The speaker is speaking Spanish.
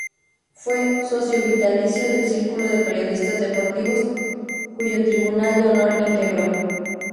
Fue socio vitalicio del Círculo de Periodistas Deportivos, cuyo Tribunal de Honor integró.